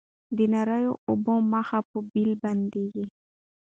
د نریو اوبو مخ په بېل بندیږي